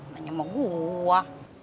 nanya sama gua